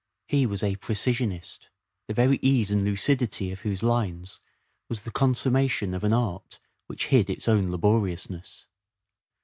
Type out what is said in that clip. He was a precisionist the very ease and lucidity of whose lines was the consummation of an art which hid its own laboriousness.